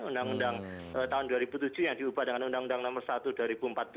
undang undang tahun dua ribu tujuh yang diubah dengan undang undang nomor satu dua ribu empat belas